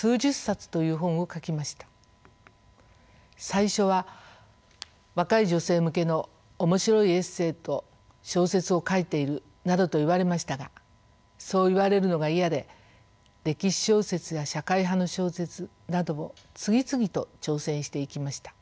最初は「若い女性向けの面白いエッセーと小説を書いている」などと言われましたがそう言われるのが嫌で歴史小説や社会派の小説などを次々と挑戦していきました。